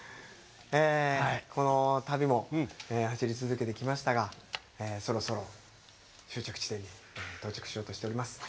この旅も走り続けてきましたがそろそろ終着地点に到着しようとしております。